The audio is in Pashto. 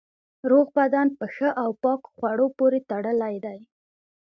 روغ بدن په ښه او پاکو خوړو پورې تړلی دی.